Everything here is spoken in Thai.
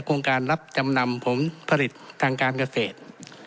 โครงการรับจำนำผลผลิตทางการเกษตร